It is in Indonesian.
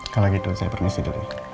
kalau gitu saya permisi dulu